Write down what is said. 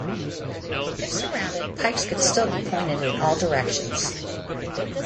If surrounded, pikes could still be pointed in all directions.